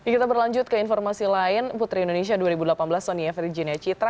kita berlanjut ke informasi lain putri indonesia dua ribu delapan belas sonia virginia citra